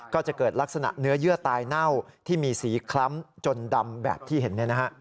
ก็จะเกิดลักษณะเนื้อเยื่อตายเน่าที่มีสีคล้ำจนดำแบบที่เห็น